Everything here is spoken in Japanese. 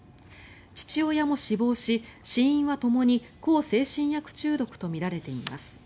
父親も死亡し、死因はともに向精神薬中毒とみられています。